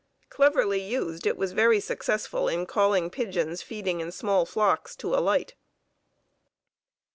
Cleverly used, it was very successful in calling pigeons feeding in small flocks to alight.